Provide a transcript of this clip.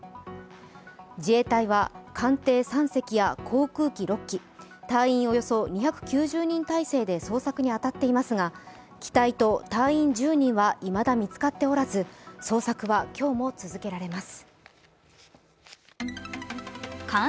自衛隊は艦艇３隻や航空機６機隊員およそ２９０人態勢で捜索に当たっていますが、機体と隊員１０人はいまだ見つかっておらず、捜索は今日も続けられます。